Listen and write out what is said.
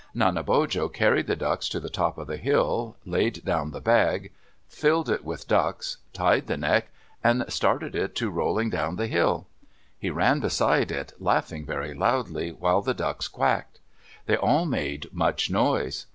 Nanebojo carried the ducks to the top of the hill, laid down the bag, filled it with ducks, tied the neck, and started it to rolling down the hill. He ran beside it, laughing very loudly, while the ducks quacked. They all made much noise.